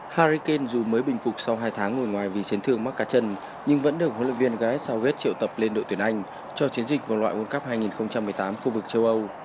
harry kane dù mới bình phục sau hai tháng ngồi ngoài vì chấn thương mắc cá chân nhưng vẫn được huấn luyện viên gareth soweth triệu tập lên đội tuyển anh cho chiến dịch vòng loại world cup hai nghìn một mươi tám khu vực châu âu